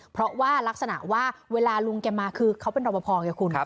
เพราะว่ารักษณะว่าเวลาลุงแกมาคือเขาเป็นรอปภไงคุณ